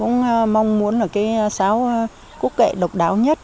nó là cái sáo cúc kệ độc đáo nhất